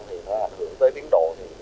thì nó ảnh hưởng tới biến đổi